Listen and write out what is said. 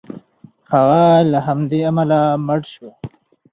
هغه له همدې امله مړ شو.